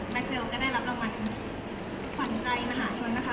แม่งตาวก็ได้รับรางวัลฝั่งใจมหาชนนะคะ